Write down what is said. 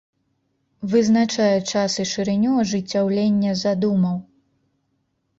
Вызначае час і шырыню ажыццяўлення задумаў.